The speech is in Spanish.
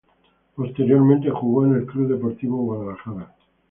Posteriormente jugó en el Club Deportivo Guadalajara.